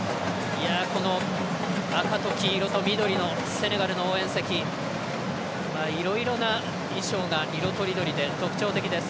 赤と黄色と緑のセネガルの応援席いろいろな衣装が色とりどりで特徴的です。